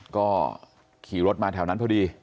ก็ขี่รถมาแถวนั้นพอดี